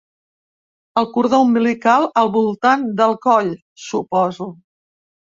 El cordó umbilical al voltant del coll, suposo.